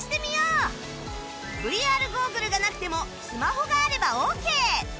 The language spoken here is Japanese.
ＶＲ ゴーグルがなくてもスマホがあればオーケー